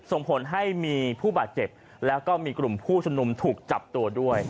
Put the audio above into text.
ส่งผลให้มีผู้บาดเจ็บแล้วก็มีกลุ่มผู้ชุมนุมถูกจับตัวด้วย